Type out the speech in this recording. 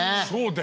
そう！